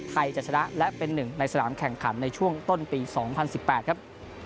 จะชนะและเป็นหนึ่งในสนามแข่งขันในช่วงต้นปี๒๐๑๘ครับ